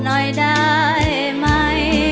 หัวใจเหมือนไฟร้อน